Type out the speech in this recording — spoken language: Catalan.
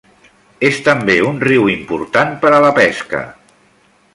És també un riu important per a la pesca.